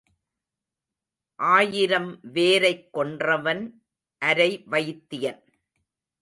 ஆயிரம் வேரைக் கொன்றவன் அரை வைத்தியன்.